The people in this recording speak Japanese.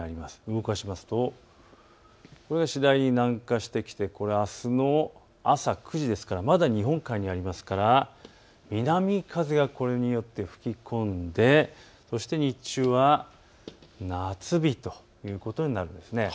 動かしますとこれが次第に南下してきてこれはあすの朝９時ですからまだ日本海にありますから南風がこれによって吹き込んでそして日中は夏日ということになるんです。